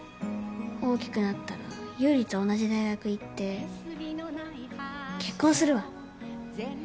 大きくなったら優里と同じ大学行って結婚するわ。